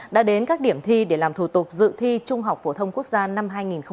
đã đến các điểm thi để làm thủ tục dự thi trung học phổ thông quốc gia năm hai nghìn một mươi chín